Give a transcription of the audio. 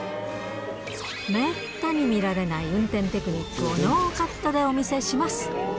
めったに見られない運転テクニックをノーカットでお見せします。